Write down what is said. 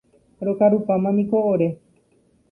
Rokarupámaniko ore.